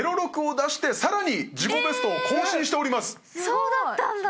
そうだったんだ。